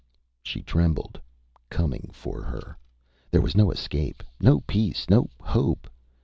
Â She trembled. Coming for her! There was no escape, no peace, no hope.